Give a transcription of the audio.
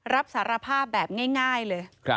รับสารภาพแบบง่ายเลย